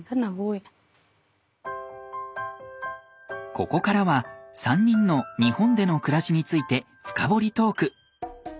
ここからは３人の日本での暮らしについて深掘りトーク！